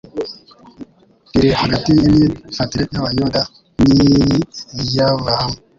riri hagati y'imyifatire y'Abayuda ni iy'Aburahamu